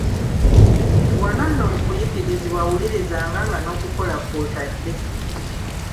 Awo nno mu kuyigirizibwa wulirizanga nga n'okukola kw'otadde.